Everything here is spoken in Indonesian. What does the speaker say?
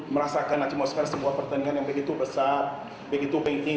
merasakan atmosfer sebuah pertandingan yang begitu besar begitu penting